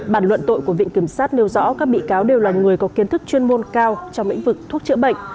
bản luận tội của viện kiểm sát nêu rõ các bị cáo đều là người có kiến thức chuyên môn cao trong lĩnh vực thuốc chữa bệnh